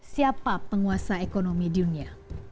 siapa penguasa ekonomi di dunia